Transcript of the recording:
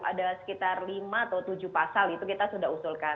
ada sekitar lima atau tujuh pasal itu kita sudah usulkan